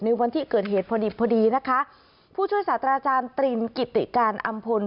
วันที่เกิดเหตุพอดีพอดีนะคะผู้ช่วยศาสตราอาจารย์ตรินกิติการอำพล